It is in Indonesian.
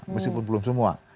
meskipun belum semua